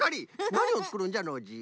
なにをつくるんじゃノージー。